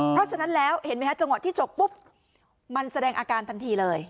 เพราะฉะนั้นแล้วเห็นไหมฮะจังหวะที่ฉกปุ๊บมันแสดงอาการทันทีเลย